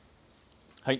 はい。